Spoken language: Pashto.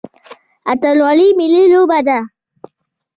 اتن ولې ملي لوبه ده؟